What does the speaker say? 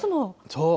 そう。